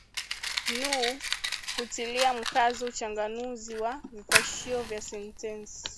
NU hutilia mkazo uchanganuzi wa vipashio vya sentensi